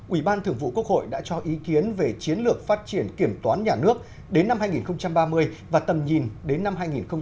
ủy ban thường vụ quốc hội đã cho ý kiến về chiến lược phát triển kiểm toán nhà nước đến năm hai nghìn ba mươi và tầm nhìn đến năm hai nghìn bốn mươi năm